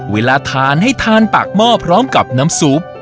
เวลาทานให้ทานปากหม้อพร้อมกับน้ำซุป